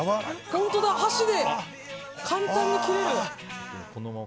本当だ、箸で簡単に切れる。